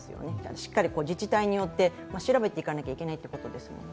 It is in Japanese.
しっかり自治体によって調べていかないといけないということですもんね。